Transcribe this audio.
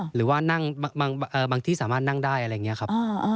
หรือว่านั่งบางที่สามารถนั่งได้อะไรอย่างนี้ครับ